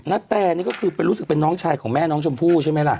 นาแตนี่ก็คือรู้สึกเป็นน้องชายของแม่น้องชมพู่ใช่ไหมล่ะ